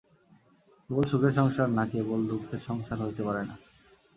কেবল সুখের সংসার বা কেবল দুঃখের সংসার হইতে পারে না।